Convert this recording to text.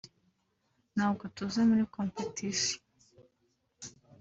…ntabwo tuje muri competition